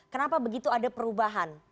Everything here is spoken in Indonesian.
kenapa begitu ada perubahan